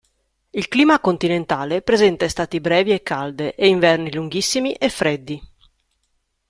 Il clima continentale presenta estati brevi e calde ed inverni lunghissimi e freddi.